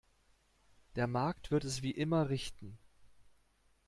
Der Markt wird es wie immer richten.